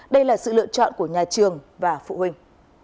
đây là sự lựa chọn của nhà trường và phụ huynh